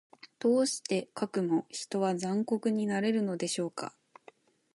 どうしてかくも人は残虐になれるのでしょうか。